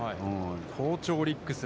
好調オリックス。